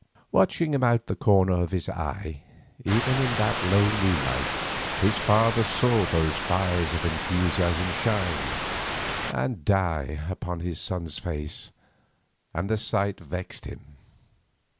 Watching him out of the corner of his eye, even in that low moonlight, his father saw those fires of enthusiasm shine and die upon his son's face, and the sight vexed him.